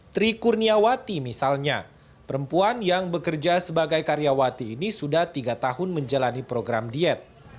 tri kurniawati misalnya perempuan yang bekerja sebagai karyawati ini sudah tiga tahun menjalani program diet